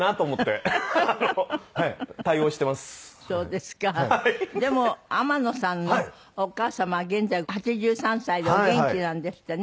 でも天野さんのお母様は現在８３歳でお元気なんですってね。